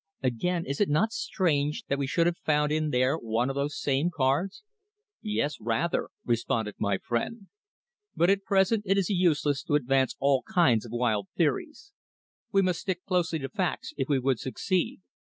"Again, is it not strange that we should have found in there one of those same cards?" "Yes, rather," responded my friend. "But at present it is useless to advance all kinds of wild theories. We must stick closely to facts if we would succeed.